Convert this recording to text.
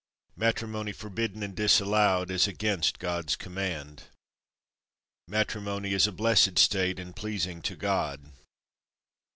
Matrimony forbidden and disallowed is against God's command. Matrimony is a blessed state, and pleasing to God.